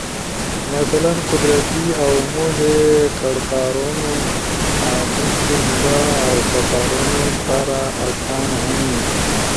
مثلاً قدرتی اؤ موڙے قڑتارونو[انی جمہ او سپارونو کارا اسان ہنی]